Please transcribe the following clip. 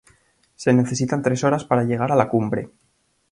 Se necesitan tres horas para llegar a la cumbre.